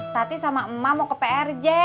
tati sama emak mau ke prj